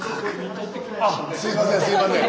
すいませんすいません。